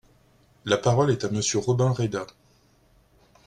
La parole est à Monsieur Robin Reda.